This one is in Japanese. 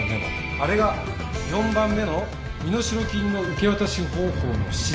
あれが４番目の身代金の受け渡し方法の指示。